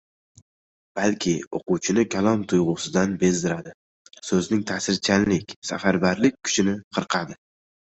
balki o‘quvchini kalom tuyg‘usidan bezdiradi, so‘zning ta’sirchanlik, safarbarlik kuchini qirqadi…